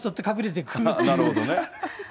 なるほどね。